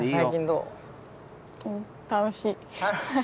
楽しい？